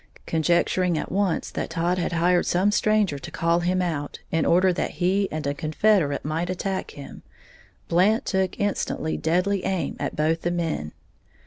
Conjecturing at once that Todd had hired some stranger to call him out, in order that he and a confederate might attack him, Blant took instant deadly aim at both the men.